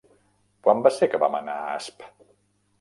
Quan va ser que vam anar a Asp?